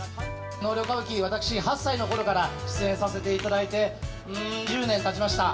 納涼歌舞伎、私、８歳のころから出演させていただいて、うん十年たちました。